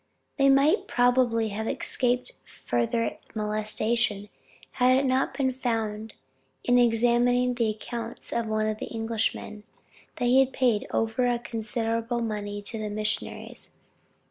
They might probably have escaped further molestation, had it not been found in examining the accounts of one of the Englishmen, that he had paid over considerable money to the missionaries.